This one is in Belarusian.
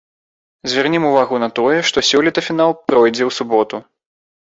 Звернем увагу на тое, што сёлета фінал пройдзе ў суботу.